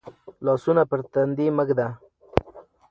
لاسونه پر تندي مه ږده.